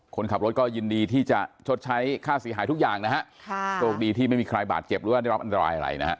คนขับรถก็ยินดีที่จะชดใช้ค่าเสียหายทุกอย่างนะฮะค่ะโชคดีที่ไม่มีใครบาดเจ็บหรือว่าได้รับอันตรายอะไรนะฮะ